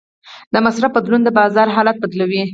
د مصرف بدلون د بازار حالت بدلوي.